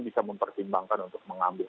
bisa mempertimbangkan untuk mengambil